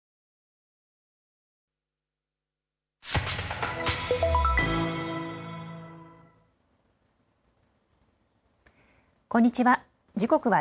こんにちは。